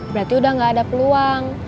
berarti udah gak ada peluang